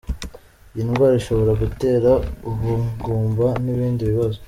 Iyi ndwara ishobora gutera ubugumba n’ibindi bibazo.